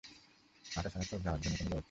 হাঁটা ছাড়া তো যাওয়ার অন্য কোনো ব্যবস্থাও নেই।